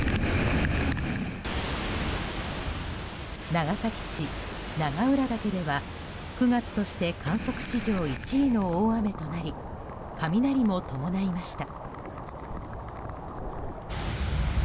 長崎市長浦岳では９月として観測史上１位の大雨となり、雷も伴いました。